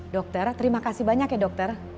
dokter terima kasih banyak ya dokter